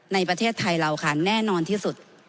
ในประเทศไทยเราค่ะแน่นอนที่สุด